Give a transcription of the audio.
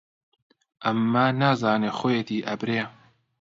ئەمما نازانێ خۆیەتی ئەبرێ